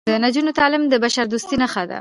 د نجونو تعلیم د بشردوستۍ نښه ده.